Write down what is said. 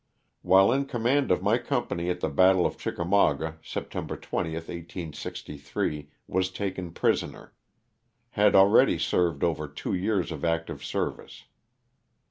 While in command of my company at the battle of Cl ckamauga, September 20, 1863, was taken prisoner ; had already served over two years of active service.